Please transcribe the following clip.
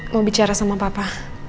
mau bicara sama papa